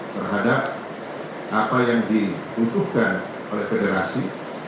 terhadap apa yang dibutuhkan oleh federasi